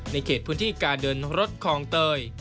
เขตพื้นที่การเดินรถคลองเตย